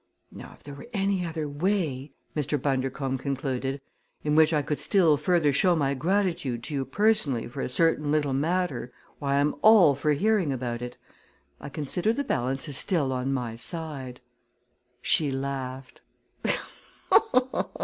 "Now if there were any other way," Mr. Bundercombe concluded, "in which I could still further show my gratitude to you personally for a certain little matter, why I'm all for hearing about it. I consider the balance is still on my side." She laughed.